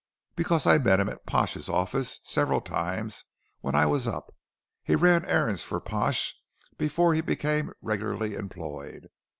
"Because I met him at Pash's office several times when I was up. He ran errands for Pash before he became regularly employed.